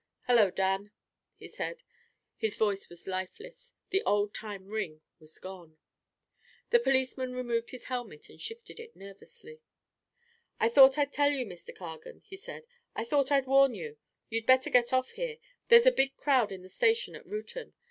"Hello, Dan," he said. His voice was lifeless; the old time ring was gone. The policeman removed his helmet and shifted it nervously. "I thought I'd tell you, Mr. Cargan," he said "I thought I'd warn you. You'd better get off here. There's a big crowd in the station at Reuton.